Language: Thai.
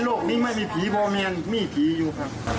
ในโลกนี้ไม่มีผีพอเมียนมี่ผีอยู่